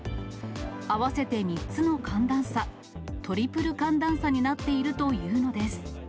合わせて３つの寒暖差、トリプル寒暖差になっているというのです。